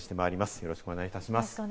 よろしくお願いします。